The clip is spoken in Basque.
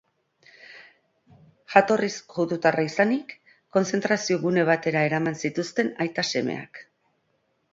Jatorriz judutarra izanik, konzentrazio-gune batera eraman zituzten aita-semeak.